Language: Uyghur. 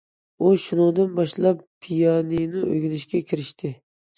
ئۇ شۇنىڭدىن باشلاپ پىيانىنو ئۆگىنىشكە كىرىشتى.